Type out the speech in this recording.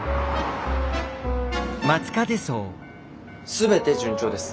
全て順調です。